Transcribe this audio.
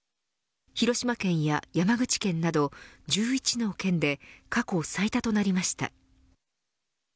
広島県や山口県など１１の県で過去最多となりました。